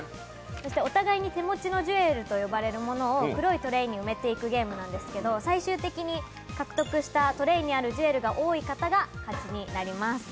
お互いに手持ちのジュエルと呼ばれるものを黒いトレイに埋めていくゲームなんですけど、最終的に獲得したトレイにあるジュエルが多い方が、勝ちになります。